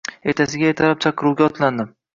Ertasiga ertalab chaqiruvga otlandim